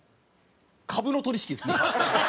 株の取引ですね。